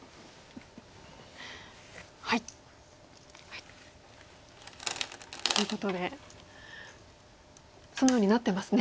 はい！ということでそのようになってますね。